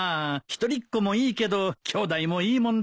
一人っ子もいいけどきょうだいもいいもんだよ。